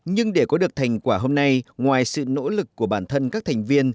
nhưng để có được thành quả hôm nay ngoài sự nỗ lực của bản thân các thành viên